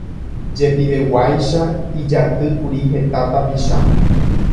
Jepiveguáicha ijatýkuri heta tapicha